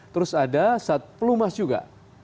terus ada sat pelumas juga